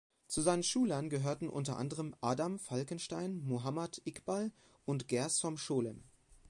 Zu seinen Schülern gehörten unter anderem Adam Falkenstein, Muhammad Iqbal und Gershom Scholem.